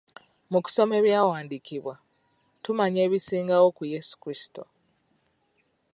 Mu kusoma ebyawandiikibwa, tumanya ebisingawo ku Yesu Krisitu.